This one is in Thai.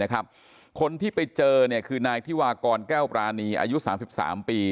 คนที่ไปเจอคือนายธิวากรแก้วปรานีอายุ๓๓ปี